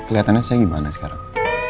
keliatannya saya gimana sekarang